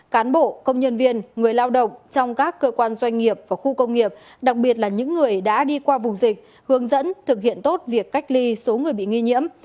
cán bộ công nhân viên người lao động trong các cơ quan doanh nghiệp và khu công nghiệp đặc biệt là những người đã đi qua vùng dịch hướng dẫn thực hiện tốt việc cách ly số người bị nghi nhiễm